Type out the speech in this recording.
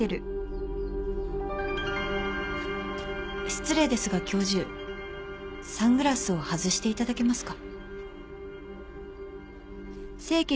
失礼ですが教授サングラスを外していただけますか？